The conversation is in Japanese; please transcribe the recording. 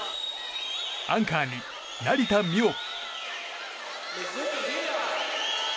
アンカーに成田実生。